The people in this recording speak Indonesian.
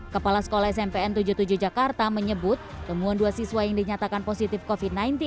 kepala sekolah smpn tujuh puluh tujuh jakarta menyebut temuan dua siswa yang dinyatakan positif covid sembilan belas